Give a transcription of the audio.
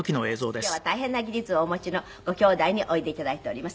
今日は大変な技術をお持ちのご兄弟においで頂いております。